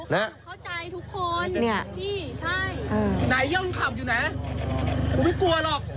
เข้าใจทุกคน